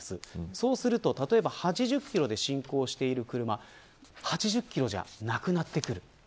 そうすると例えば８０キロで進行している車８０キロじゃなくなってくる。